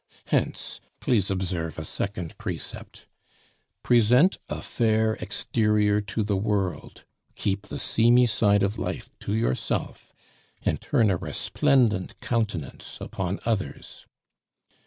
Hence, please observe a second precept: Present a fair exterior to the world, keep the seamy side of life to yourself, and turn a resplendent countenance upon others.